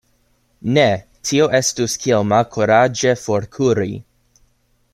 Ne, tio estus kiel malkuraĝe forkuri.